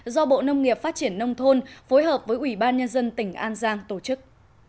do bộ nông nghiệp phát triển nông thôn phối hợp với ủy ban nhân dân tỉnh an giang tổ chức